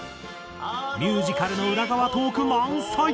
ミュージカルの裏側トーク満載！